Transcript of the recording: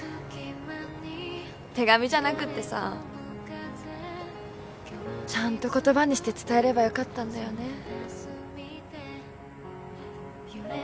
手紙じゃなくってさちゃんと言葉にして伝えればよかったんだよね。